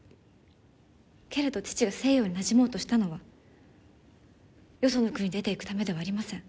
けれど父が西洋になじもうとしたのはよその国に出ていくためではありません。